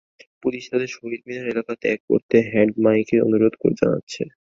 Police তাঁদের শহীদ মিনার এলাকা ত্যাগ করতে হ্যান্ড মাইকে অনুরোধ জানাচ্ছেন।